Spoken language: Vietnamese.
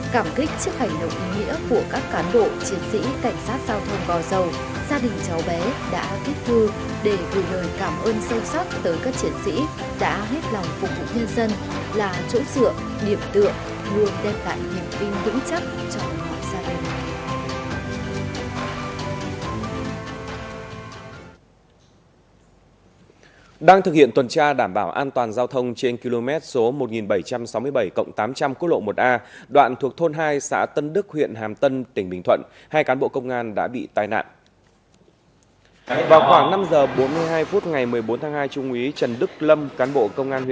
cảm kích trước hành động ý nghĩa của các cán bộ chiến sĩ cảnh sát giao thông gò dầu gia đình cháu bé đã kết thư để gửi lời cảm ơn sâu sắc tới các chiến sĩ đã hết lòng phục vụ nhân dân là chỗ dựa điểm tượng nguồn đem lại hiệu tinh vững chắc cho mọi gia đình